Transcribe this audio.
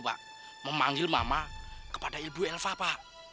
pak memanggil mama kepada ibu elva pak